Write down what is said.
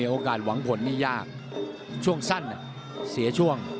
โอกาสหวังผลนี่ยากช่วงสั้นเสียช่วง